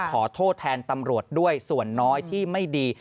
ขอโทษแทนตำรวจด้วยส่วนน้อยที่ไม่ดี